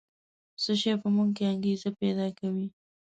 څه شی په موږ کې انګېزه پیدا کوي؟